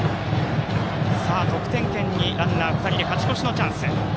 得点圏にランナー２人で勝ち越しのチャンス。